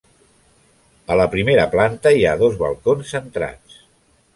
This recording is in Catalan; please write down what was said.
A la primera planta hi ha dos balcons centrats.